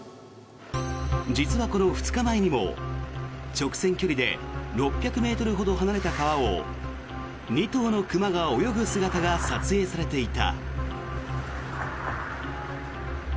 実はこの２日前にも直線距離で６００ｍほど離れた川を２頭の熊が泳ぐ姿が撮影されていた。